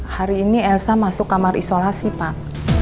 hari ini elsa masuk kamar isolasi pak